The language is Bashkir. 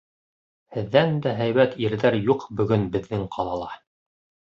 Һеҙҙән дә һәйбәт ирҙәр юҡ бөгөн беҙҙең ҡалала.